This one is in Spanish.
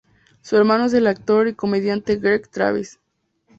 Su hermano es el actor y comediante Greg Travis.